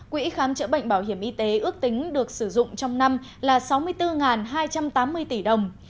quỹ khám chữa bệnh bảo hiểm y tế ước tính được sử dụng trong năm là sáu mươi bốn hai trăm tám mươi tỷ đồng